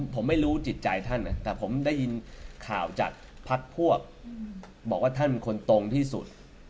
ผมไม่รู้จิตใจท่านนะแต่ผมได้ยินข่าวจากพักพวกบอกว่าท่านเป็นคนตรงที่สุด